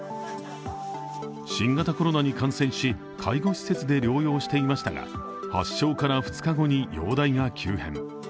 新型コロナに感染し介護施設で療養していましたが発症から２日後に容体が急変。